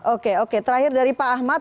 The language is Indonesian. oke oke terakhir dari pak ahmad